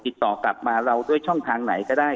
ติดต่อกลับมาเราด้วยช่องทางไหนก็ได้